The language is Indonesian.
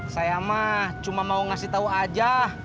saya mah cuma mau ngasih tahu aja